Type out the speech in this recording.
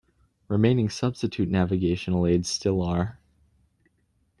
Remaining substitute navigational aids still are.